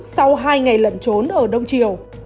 sau hai ngày lẩn trốn ở đông triều